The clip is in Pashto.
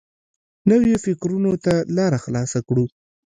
نویو فکرونو ته لاره خلاصه کړو.